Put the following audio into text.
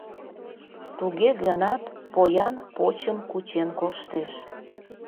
Туге гынат поян почым кучен коштеш.